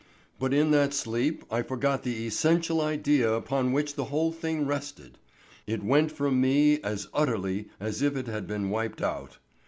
But in that sleep I forgot the essential idea upon which the whole thing rested. It went from me as utterly as if it had been wiped out.